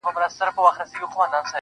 دې يوه لمن ښكلا په غېږ كي ايښې ده.